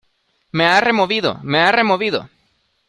me ha removido. me ha removido .